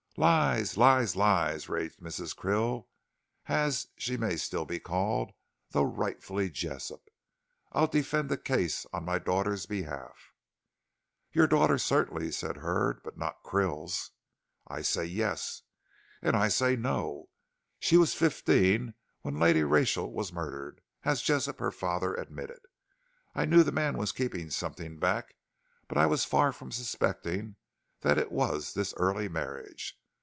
"Lies lies lies!" raged Mrs. Krill, as she may still be called, though rightfully Jessop, "I'll defend the case on my daughter's behalf." "Your daughter, certainly," said Hurd, "but not Krill's." "I say yes." "And I say no. She was fifteen when Lady Rachel was murdered, as Jessop, her father, admitted. I knew the man was keeping something back, but I was far from suspecting that it was this early marriage.